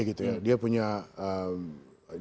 artinya ayah saya kan punya reket sendiri